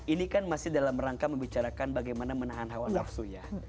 ini kan masih dalam rangka membicarakan bagaimana menahan hawa nafsu ya